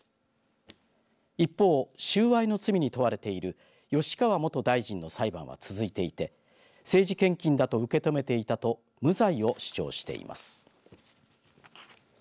一方、収賄の罪に問われている吉川元大臣の裁判は続いていて政治献金だと受け止めていたと無罪を主張しています。